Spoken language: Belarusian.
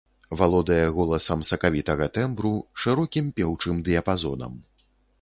Валодае голасам сакавітага тэмбру, шырокім пеўчым дыяпазонам.